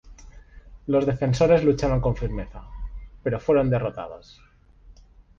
Los defensores lucharon con firmeza, pero fueron derrotados.